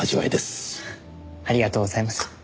ありがとうございます。